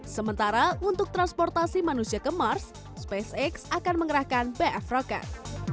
sementara untuk transportasi manusia ke mars spacex akan mengerahkan bf rocket